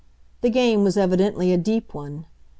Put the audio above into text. The game was evidently a deep one.